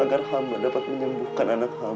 agar hamba dapat menyembuhkan anak hamba ya allah